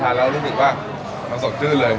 แก้ร้อนหน่อยครับอันนี้ทานแล้วรู้สึกว่ามันสดชื่นเลย